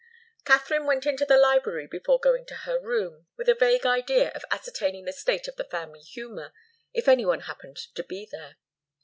Katharine went into the library before going to her room, with a vague idea of ascertaining the state of the family humour, if any one happened to be there.